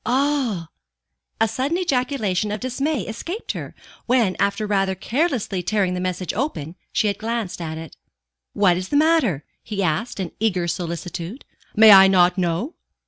"Ah!" A sudden ejaculation of dismay escaped her, when, after rather carelessly tearing the message open, she had glanced at it. "What is the matter?" he asked in eager solicitude. "May I not know?"